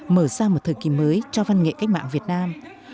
mở ra một thời kỳ mới cho văn nghệ cách mạng việt nam